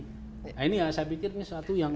nah ini ya saya pikir ini suatu yang